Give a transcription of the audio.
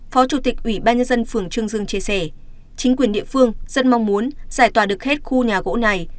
phó chủ tịch ủy ban nhân dân phường trương dương chia sẻ chính quyền địa phương rất mong muốn giải tỏa được hết khu nhà gỗ này